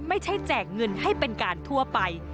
ไม่ใช่แจกเงินให้เป็นการทั่วไป